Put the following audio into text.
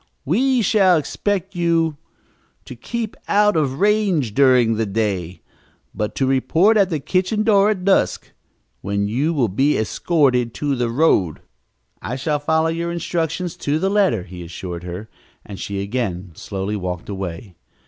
"We shall expect you to to keep out of range during the day, but to report at the kitchen door at dusk, when you will be escorted to the road." "I shall follow your instructions to the letter," he assured her, and she again slowly walked away.